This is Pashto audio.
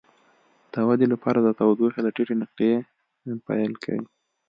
د ودې لپاره د تودوخې له ټیټې نقطې پیل کوي.